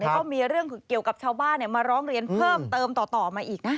แล้วก็มีเรื่องเกี่ยวกับชาวบ้านมาร้องเรียนเพิ่มเติมต่อมาอีกนะ